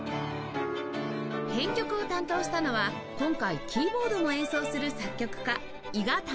編曲を担当したのは今回キーボードも演奏する作曲家伊賀拓郎さん